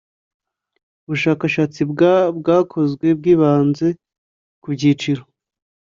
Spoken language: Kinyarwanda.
Ubushakashatsi bwa bwakozwe bwibanze ku byiciro